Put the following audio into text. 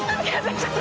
ちょっと。